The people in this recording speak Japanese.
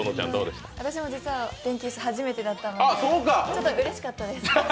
私も実は電気椅子、初めてだったのでちょっとうれしかったです。